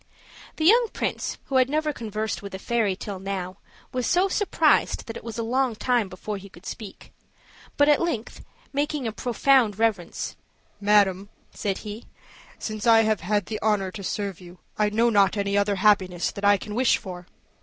The young prince, who had never conversed with a fairy till now, was so surprised that it was a long time before he could speak. But at length, making a profound reverence, "Madam," said he, "since I have had the honor to serve you, I know not any other happiness that I can wish for."